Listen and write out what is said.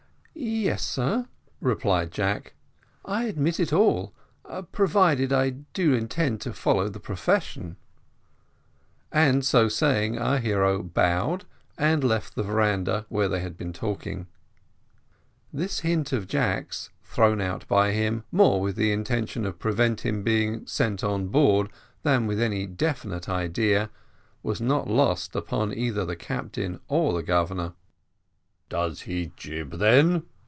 "Yes, sir," replied Jack, "I admit it all, provided I do intend to follow the profession;" and so saying, our hero bowed, and left the veranda where they had been talking. This hint of Jack's, thrown out by him more with the intention of preventing his being sent on board than with any definite idea, was not lost upon either the captain or the Governor. "Does he jib, then?"